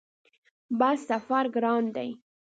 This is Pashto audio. بس سفر ګران دی؟